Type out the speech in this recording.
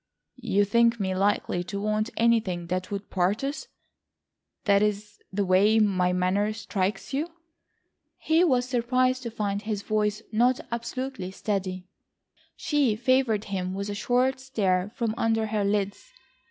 "You think me likely to want anything that would part us—that is the way my manner strikes you?" He was surprised to find his voice not absolutely steady. She favoured him with a short stare from under her lids.